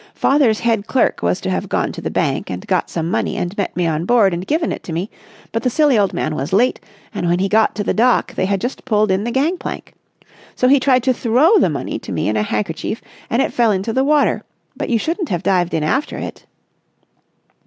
Father's head clerk was to have gone to the bank and got some money and met me on board and given it to me, but the silly old man was late and when he got to the dock they had just pulled in the gang plank. So he tried to throw the money to me in a handkerchief and it fell into the water. But you shouldn't have dived in after it."